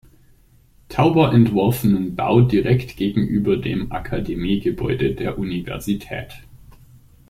Tauber entworfenen Bau direkt gegenüber dem Akademiegebäude der Universität.